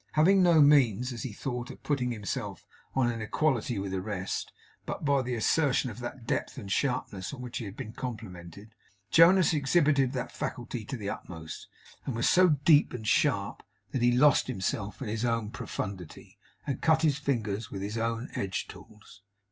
Having no means, as he thought, of putting himself on an equality with the rest, but by the assertion of that depth and sharpness on which he had been complimented, Jonas exhibited that faculty to the utmost; and was so deep and sharp that he lost himself in his own profundity, and cut his fingers with his own edge tools.